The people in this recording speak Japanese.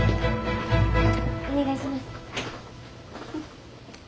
お願いします。